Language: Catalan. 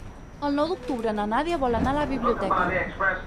El nou d'octubre na Nàdia vol anar a la biblioteca.